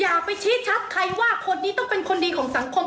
อย่าไปชี้ชัดใครว่าคนนี้ต้องเป็นคนดีของสังคม